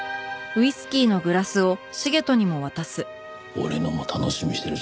俺のも楽しみにしてるぞ。